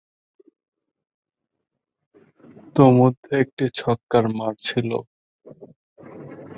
তন্মধ্যে একটি ছক্কার মার ছিল।